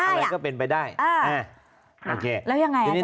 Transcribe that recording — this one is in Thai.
แล้วยังไงอาจารย์